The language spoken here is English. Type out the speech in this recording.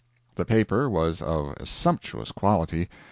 The paper was of a sumptuous quality.